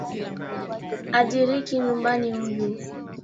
Hadiriki nyumbani huyu